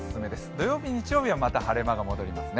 土曜日、日曜日はまた晴れ間が戻りますね。